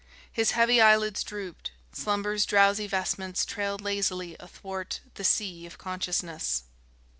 His heavy eyelids drooped; slumber's drowsy vestments trailed lazily athwart the sea of consciousness....